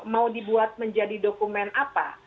mau dibuat menjadi dokumen apa